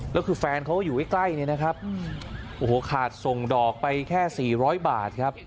แล้วคือแฟนเขาอยู่ไว้ใกล้นี่นะครับโอ้โหขาดส่งดอกไปแค่สี่ร้อยบาทครับ